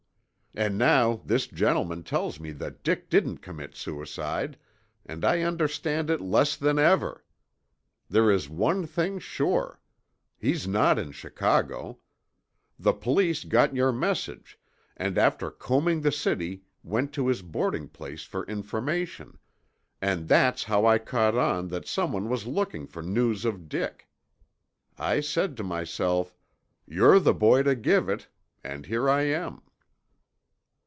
"And now this gentleman tells me that Dick didn't commit suicide, and I understand it less than ever. There is one thing sure. He's not in Chicago. The police got your message, and after combing the city went to his boarding place for information, and that's how I caught on that someone was looking for news of Dick. I said to myself, 'You're the boy to give it,' and here I am."